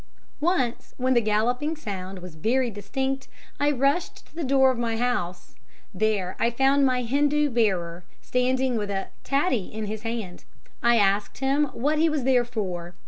"Once, when the galloping sound was very distinct, I rushed to the door of my house. There I found my Hindoo bearer, standing with a tattie in his hand. I asked him what he was there for.